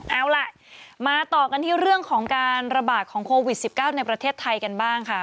เอาล่ะมาต่อกันที่เรื่องของการระบาดของโควิด๑๙ในประเทศไทยกันบ้างค่ะ